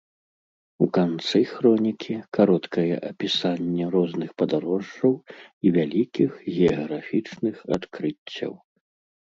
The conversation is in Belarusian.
У канцы хронікі кароткае апісанне розных падарожжаў і вялікіх геаграфічных адкрыццяў.